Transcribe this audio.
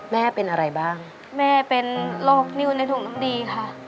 แม่เป็นอะไรบ้างแม่เป็นโรคนิ้วในถุงน้ำดีค่ะ